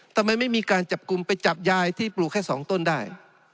ทำไมไม่มีการจับกลุ่มไปจับยายที่ปลูกแค่๒ต้นได้